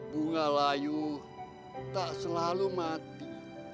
bunga layu tak selalu mati